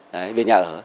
đấy về nhà ở